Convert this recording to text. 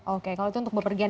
oke kalau itu untuk bepergian